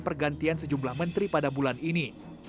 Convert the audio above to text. pergantian sejumlah menteri pada bulan ini